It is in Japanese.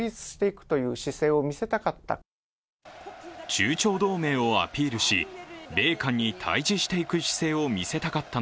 中朝同盟をアピールして米韓と対じしていく対立していくという姿勢を見せたかった。